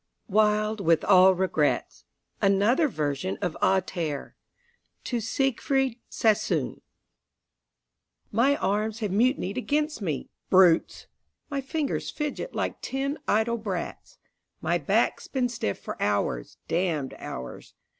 Wild with all Regrets (Another version of "A Terre".) To Siegfried Sassoon My arms have mutinied against me brutes! My fingers fidget like ten idle brats, My back's been stiff for hours, damned hours.